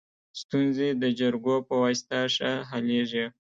ستونزي د جرګو په واسطه ښه حلیږي.